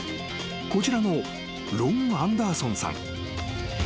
［こちらのロン・アンダーソンさん］